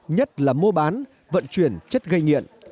nhất là mô bán vận chuyển chất gây nghiện